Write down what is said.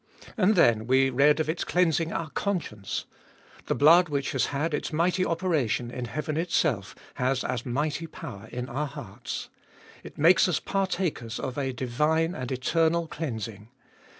And then we read of its cleansing our conscience. The blood which has had its mighty operation in heaven itself has as mighty power in our hearts. It makes us partakers of a divine and eternal cleansing.